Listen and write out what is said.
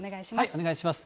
お願いします。